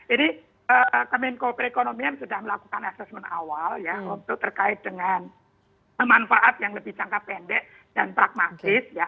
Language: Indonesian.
ini kemenko perekonomian sudah melakukan assessment awal ya untuk terkait dengan manfaat yang lebih jangka pendek dan pragmatis